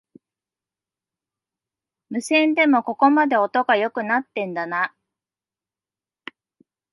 無線でもここまで音が良くなってんだな